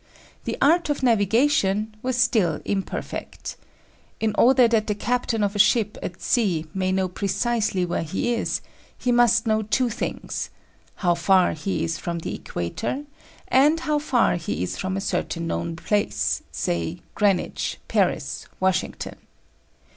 The art of navigation was still imperfect. In order that the captain of a ship at sea may know precisely where he is, he must know two things: how far he is from the equator, and how far he is from a certain known place, say Greenwich, Paris, Washington.